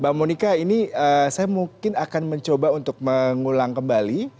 mbak monika ini saya mungkin akan mencoba untuk mengulang kembali